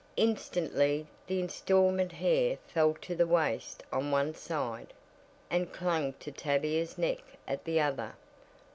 Instantly the "installment" hair fell to the waist on one side, and clung to Tavia's neck at the other.